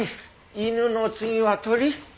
犬の次は鳥？